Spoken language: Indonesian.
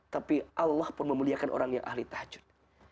tapi allah pun memuliakan orang yang ahli tahajud